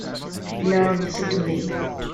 Now listen to me.